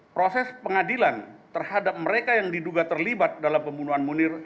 proses pengadilan terhadap mereka yang diduga terlibat dalam pembunuhan munir